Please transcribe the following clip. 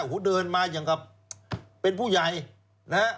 โอ้โหเดินมาอย่างกับเป็นผู้ใหญ่นะฮะ